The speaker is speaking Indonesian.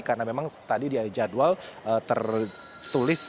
karena memang tadi dia jadwal tertulis